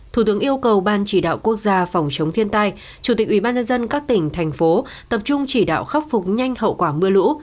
thủ tướng yêu cầu ban chỉ đạo quốc gia phòng chống thiên tai chủ tịch ubnd các tỉnh thành phố tập trung chỉ đạo khắc phục nhanh hậu quả mưa lũ